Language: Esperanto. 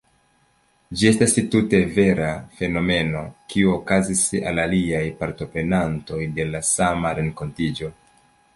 Ĝi estas tute vera fenomeno, kiu okazis al aliaj partoprenantoj de la sama renkontiĝo.